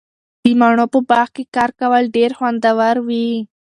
د مڼو په باغ کې کار کول ډیر خوندور وي.